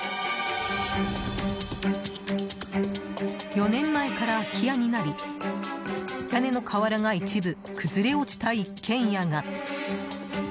４年前から空き家になり屋根の瓦が一部、崩れ落ちた一軒家が。